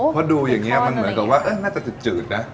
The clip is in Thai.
เพราะดูอย่างนี้มันเหมือนกับว่าน่าจะจืดนะ